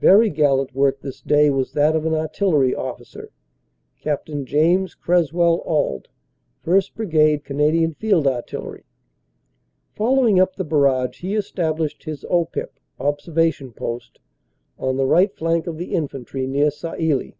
Very gallant work this day was that of an artillery officer, Capt. James Creswell Auld, 1st. Brigade, C.F.A. Following up the barrage he established his "O Pip" (Observation Post) on the right flank of the infantry near Sailly.